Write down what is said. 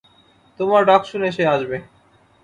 তোমার ডাক শুনে সে আসবে।